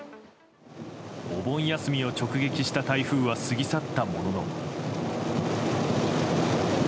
お盆休みを直撃した台風は過ぎ去ったものの。